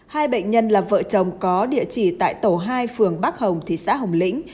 hai bệnh nhân là vợ chồng có địa chỉ tại tổ hai phường bắc hồng thị xã hồng lĩnh